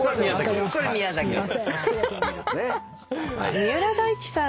三浦大知さん